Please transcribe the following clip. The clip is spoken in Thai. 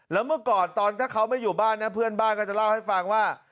แล้วเมื่อก่อนตอนถ้าเขาไม่อยู่บ้านนะเพื่อนบ้านก็จะเล่าให้ฟังว่า